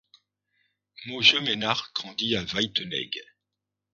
Moje Menhardt grandit à Weitenegg.